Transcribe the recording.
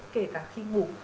kể cả khi ngủ